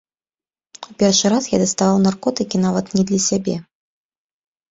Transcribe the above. У першы раз я даставаў наркотыкі нават не для сябе.